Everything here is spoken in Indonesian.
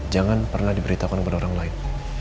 jangan pernah diberitakan kepada orang lain